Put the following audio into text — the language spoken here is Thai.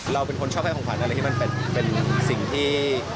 เราเป็นคนชอบให้ของขวัญอะไรที่มันเป็นสิ่งที่